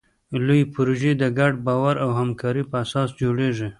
لویې پروژې د ګډ باور او همکارۍ په اساس جوړېږي.